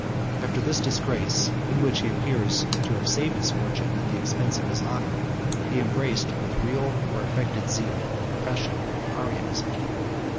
After this disgrace, in which he appears to have saved his fortune at the expense of his honor, he embraced, with real or affected zeal, the profession of Arianism.